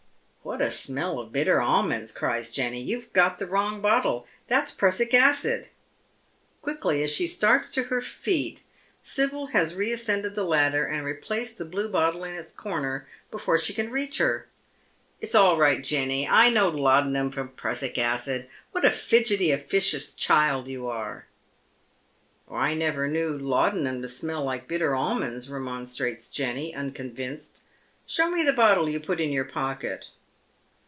•'What a smell of bitter almonds!" cries Jenny. "You've got the wrong bottle I That's prussic acid !" Quickly as she staits to her feet Sibyl has reascended the ladder, and replaced the blue bottle in its corner before she can reach her. " It's all right, Jenny. I know laudanum from prussic acid. What a fidgety, officious child you are I "" I never knew laudanum to smell like bitter almonds," remonstrates Jenny, unconvinced. "Show me the bottle you put in your pocket."